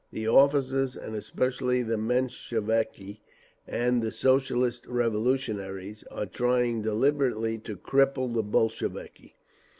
"The officers, and especially the Mensheviki and the Socialist Revolutionaries, are trying deliberately to cripple the Bolsheviki.